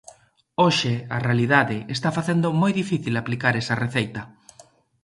Hoxe, a realidade, está facendo moi difícil aplicar esa receita.